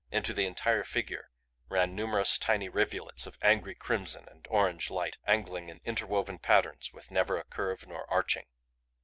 Into the entire figure ran numerous tiny rivulets of angry crimson and orange light, angling in interwoven patterns with never a curve nor arching.